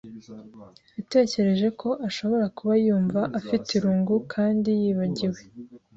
Yatekereje ko ashobora kuba yumva afite irungu kandi yibagiwe.